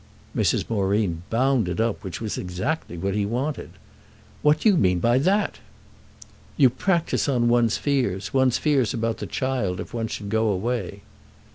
Mrs. Moreen bounded up, which was exactly what he wanted. "What do you mean by that?" "You practise on one's fears—one's fears about the child if one should go away."